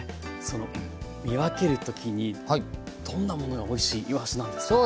その見分ける時にどんなものがおいしいいわしなんですか？